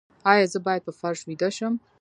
ایا زه باید په فرش ویده شم؟